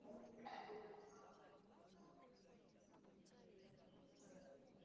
Ebyo byonna byabuwangwa turina okubigobererea.